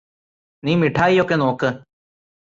നീ മിഠായിയൊക്കെ നോക്ക്